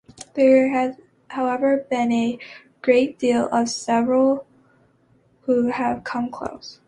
There has however been a great deal of several who have come close.